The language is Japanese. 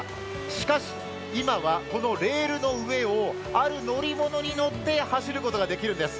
しかし、今はこのレールの上をある乗り物に乗って走ることができるんです。